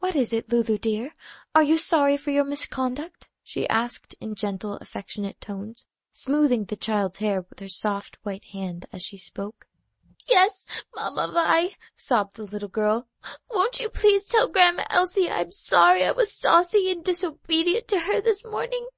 "What is it, Lulu, dear? are you sorry for your misconduct?" she asked in gentle, affectionate tones, smoothing the child's hair with her soft white hand as she spoke. "Yes, Mamma Vi," sobbed the little girl. "Won't you please tell Grandma Elsie I'm sorry I was saucy and disobedient to her this morning?"